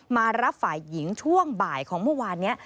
มารับฝ่ายหญิงช่วงบ่ายของเมื่อวานนี้